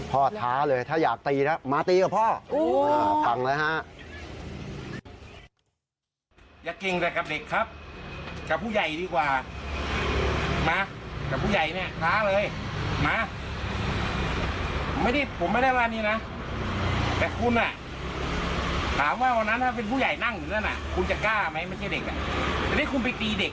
พ่อท้าเลยถ้าอยากตีนะมาตีกับพ่อ